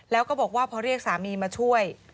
แล้วก็บอกว่าพอเรียกสามีมาช่วย